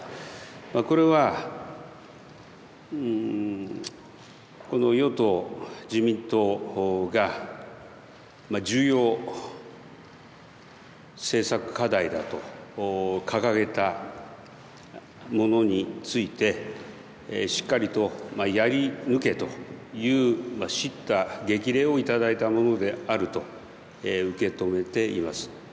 これは、この与党自民党が重要政策課題だと掲げたものについてしっかりとやり抜けというしった激励を頂いたものであると受け止めております。